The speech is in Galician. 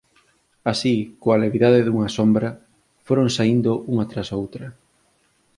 Así, coa levidade dunha sombra, foron saíndo unha tras outra.